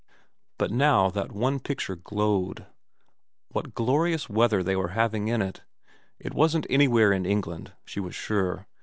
But how that one picture glowed. What glorious weather they were having in it ! It wasn't anywhere in England, she was sure.